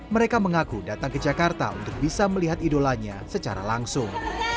mereka mengaku datang ke jakarta untuk bisa melihat idolanya secara langsung